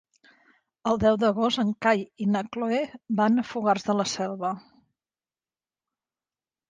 El deu d'agost en Cai i na Cloè van a Fogars de la Selva.